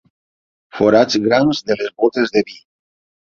Forats grans de les bótes de vi.